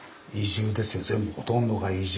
全部ほとんどが移住。